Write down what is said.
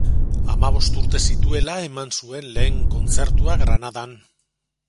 Hamabost urte zituela eman zuen lehen kontzertua Granadan.